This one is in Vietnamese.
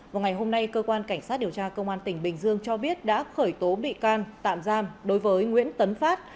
vào ngày hôm nay cơ quan cảnh sát điều tra công an tỉnh bình dương cho biết đã khởi tố bị can tạm giam đối với nguyễn tấn phát